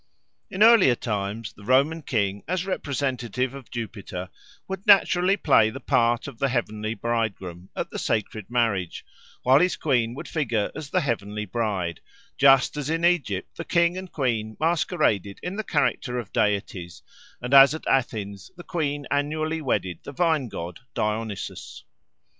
In earlier times the Roman king, as representative of Jupiter, would naturally play the part of the heavenly bridegroom at the sacred marriage, while his queen would figure as the heavenly bride, just as in Egypt the king and queen masqueraded in the character of deities, and as at Athens the queen annually wedded the vine god Dionysus.